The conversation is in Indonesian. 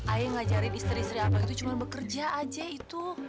ayah ngajarin istri istri apa gitu cuma bekerja aja itu